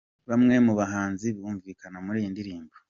Bamwe mu bahanzi bumvikana muri iyi ndirimbo.